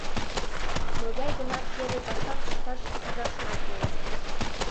Могай-гынат кере пашам ышташ пижашна кӱлеш.